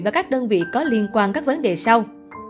và các đơn vị có liên quan các vấn đề sau